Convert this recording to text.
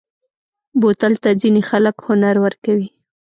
بوتل ته ځینې خلک هنر ورکوي.